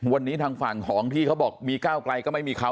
วันนี้ทางฝั่งของที่เขาบอกมีก้าวไกลก็ไม่มีเขา